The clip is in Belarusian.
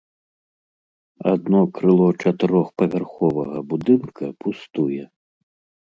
Адно крыло чатырохпавярховага будынка пустуе.